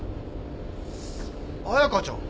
彩佳ちゃん。